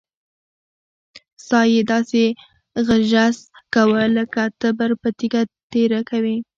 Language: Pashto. سا يې داسې غژس کوه لک تبر په تيږه تېره کوې.